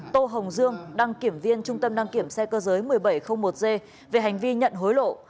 tô hồng dương đăng kiểm viên trung tâm đăng kiểm xe cơ giới một nghìn bảy trăm linh một g về hành vi nhận hối lộ